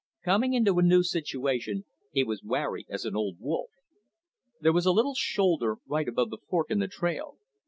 Coming into a new situation, he was wary as an old wolf. There was a little shoulder right above the fork in the trail.